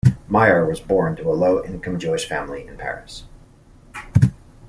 Meyer was born to a low income Jewish family in Paris.